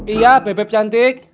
iya beb beb cantik